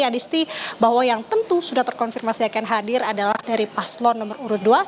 yang disti bahwa yang tentu sudah terkonfirmasi akan hadir adalah dari paslon nomor urut dua